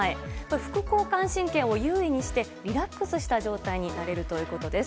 副交感神経を優位にしてリラックスした状態になれるということです。